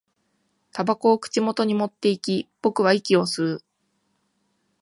煙草を口元に持っていき、僕は息を吸う